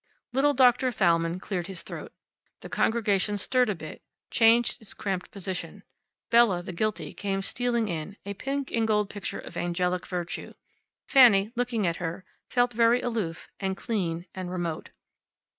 Little Doctor Thalmann cleared his throat. The congregation stirred a bit, changed its cramped position. Bella, the guilty, came stealing in, a pink and gold picture of angelic virtue. Fanny, looking at her, felt very aloof, and clean, and remote.